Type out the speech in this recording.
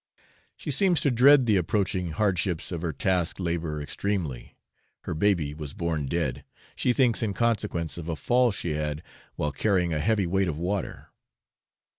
She seems to dread the approaching hardships of her task labour extremely. Her baby was born dead, she thinks in consequence of a fall she had while carrying a heavy weight of water.